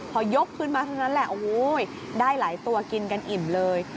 พอยกขึ้นมาเท่านั้นแหละโอ้โหได้หลายตัวกินกันอิ่มเลย